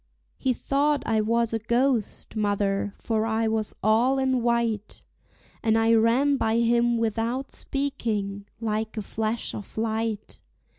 He thought I was a ghost, mother, for I was all in white; And I ran by him without speaking, like a flash of light.